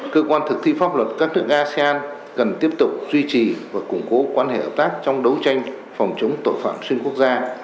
cơ quan thực thi pháp luật các nước asean cần tiếp tục duy trì và củng cố quan hệ hợp tác trong đấu tranh phòng chống tội phạm xuyên quốc gia